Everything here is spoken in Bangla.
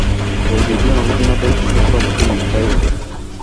এই দুটি অনুভূতির মধ্যে একটি সত্য, অপরটি মিথ্যা হবেই।